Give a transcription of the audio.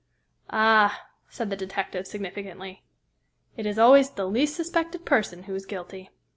"Ah!" said the detective, significantly, "it is always the least suspected person who is guilty.